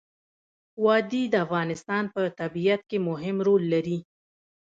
وادي د افغانستان په طبیعت کې مهم رول لري.